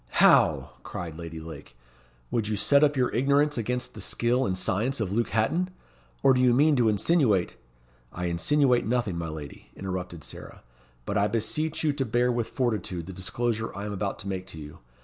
"How!" cried Lady Lake. "Would you set up your ignorance against the skill and science of Luke Hatton? Or do you mean to insinuate " "I insinuate nothing, my lady," interrupted Sarah; "but I beseech you to bear with fortitude the disclosure I am about to make to you.